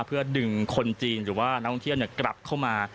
เพื่อดึงคนจีนหรือว่านักท่องเที่ยวกลับเข้ามา